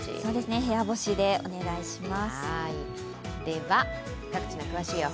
部屋干しでお願いします。